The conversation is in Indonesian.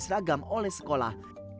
seragam oleh sekolah